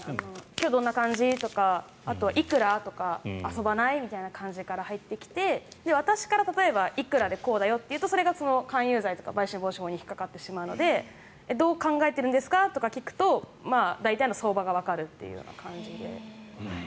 今日どんな感じ？とかいくら？とか遊ばない？みたいな感じから入ってきて私からいくらでこうだよと言うとそれが勧誘罪とか売春防止法に引っかかるのでどう考えてるんですかと聞くと大体の相場がわかるという感じで。